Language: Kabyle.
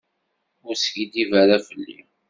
Ur skiddib ara fell-i.